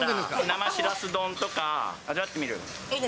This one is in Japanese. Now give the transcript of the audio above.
生しらす丼とか味わってみる？